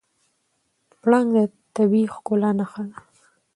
پړانګ د طبیعي ښکلا نښه ده.